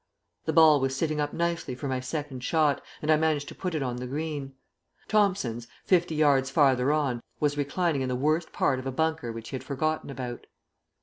The ball was sitting up nicely for my second shot, and I managed to put it on the green. Thomson's, fifty yards farther on, was reclining in the worst part of a bunker which he had forgotten about.